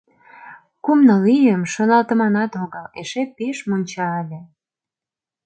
Кум-ныл ийым, шоналтыманат огыл, эше пеш мунча ыле.